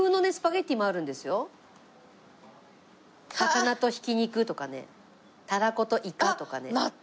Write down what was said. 高菜とひき肉とかねたらことイカとかね。